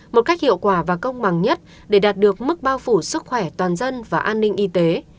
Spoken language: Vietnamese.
một cách hiệu quả và công bằng nhất để đạt được mức bao phủ sức khỏe toàn dân và an ninh y tế